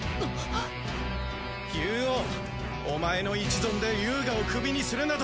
ユウオウお前の一存で遊我をクビにするなど。